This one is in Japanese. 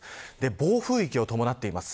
暴風域を伴っています。